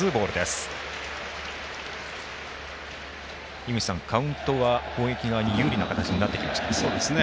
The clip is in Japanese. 井口さん、カウントは攻撃側に有利な形になってきましたね。